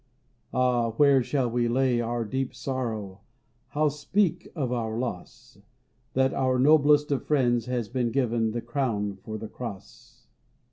H, where shall we lay our deep sorrow, How speak of our loss, That our noblest of friends has been given The Crown for the Cross?